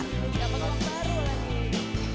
gak banget baru lagi